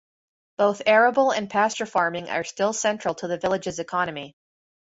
Both arable and pasture farming are still central to the village's economy.